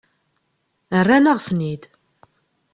Rran-aɣ-ten-id.